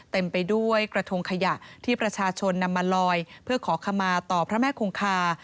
เต็มไปด้วยกระทงขยะที่ประชาชนนำมาลอยเพื่อขอขมาต่อพระแม่คงคา